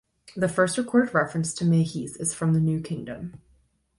The first recorded reference to Maahes is from the New Kingdom.